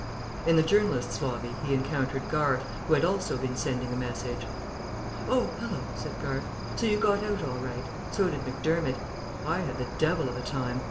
In the journalists' lobby he encountered Garth, who had also been sending a message. "Oh, hallo," said Garth, "so you got out all right. So did Macdermott. I had the devil of a time.